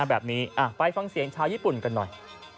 แบบนี้ไปฟังเสียงชาวญี่ปุ่นกันหน่อย